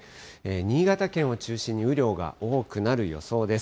新潟県を中心に、雨量が多くなる予想です。